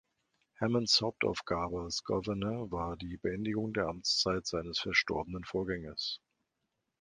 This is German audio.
Hammonds Hauptaufgabe als Gouverneur war die Beendigung der Amtszeit seines verstorbenen Vorgängers.